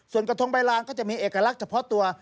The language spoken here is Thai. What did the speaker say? ส่วนกระทงใบลานก็จะมีเอกลักษณ์เฉพาะตัว